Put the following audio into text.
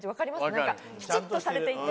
なんかきちっとされていて。